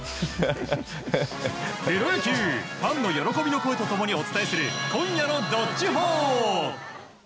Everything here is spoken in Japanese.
プロ野球ファンの喜びの声と共にお伝えする今夜の「＃どっちほー」。